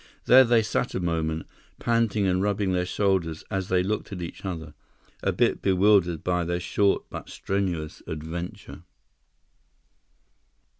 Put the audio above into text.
There they sat a moment, panting and rubbing their shoulders as they looked at each other, a bit bewildered by their short but strenuous adventure.